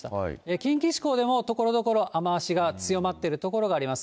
近畿地方でも、ところどころ雨足が強まっている所があります。